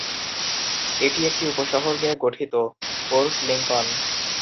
এটি একটি উপশহর নিয়ে গঠিত- পোর্ট লিঙ্কন।